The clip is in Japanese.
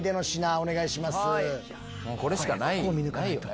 これしかないよね